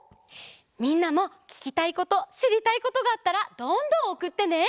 みんなもききたいことしりたいことがあったらどんどんおくってね！